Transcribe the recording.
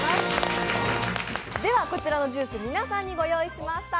こちらのジュース、皆さんにご用意しました。